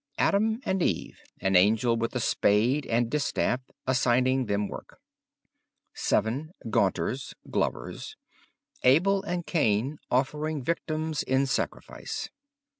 Adam and Eve, an angel with a spade and distaff assigning them work. 7. Gaunters (Glovers). Abel and Cain offering victims in sacrifice.